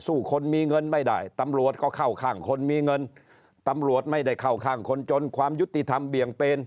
สู้คนมีเงินไม่ได้